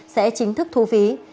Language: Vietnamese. sẽ chính thức thu phí